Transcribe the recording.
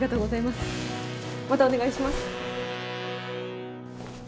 またお願いします。